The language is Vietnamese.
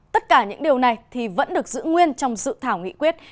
tất cả những điều này thì vẫn được giữ nguyên trong dự thảo nghị quyết